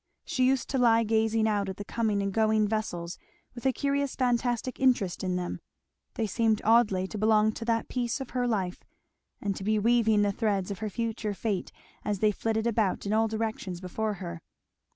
She used to lie gazing out at the coming and going vessels with a curious fantastic interest in them; they seemed oddly to belong to that piece of her life, and to be weaving the threads of her future fate as they flitted about in all directions before her.